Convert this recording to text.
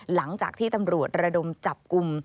หลังจากที่ตำรวจระดม